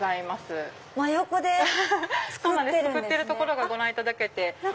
作ってるところご覧いただけて。